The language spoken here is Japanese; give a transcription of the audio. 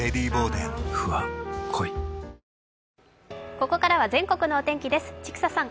ここからは全国の天気です。